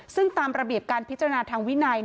ซึ่งตามระเบียบการพิจารณาทางวินัย